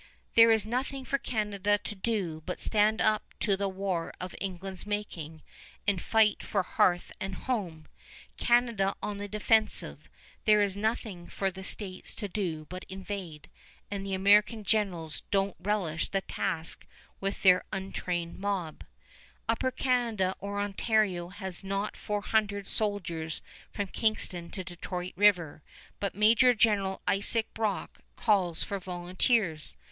There is nothing for Canada to do but stand up to the war of England's making and fight for hearth and home. Canada on the defensive, there is nothing for the States to do but invade; and the American generals don't relish the task with their "untrained mob." [Illustration: WILLIAM HULL] Upper Canada or Ontario has not four hundred soldiers from Kingston to Detroit River; but Major General Isaac Brock calls for volunteers.